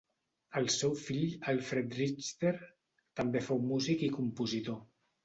El seu fill Alfred Richter també fou músic i compositor.